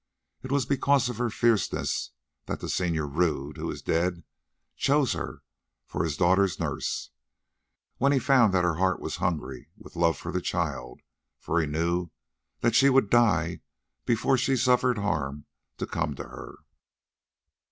It was because of her fierceness that the Senor Rodd, who is dead, chose her for his daughter's nurse, when he found that her heart was hungry with love for the child, for he knew that she would die before she suffered harm to come to her."